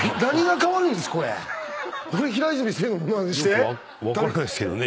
よく分からないですけどね。